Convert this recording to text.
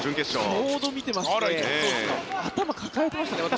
ちょうど見てまして頭を抱えてましたね。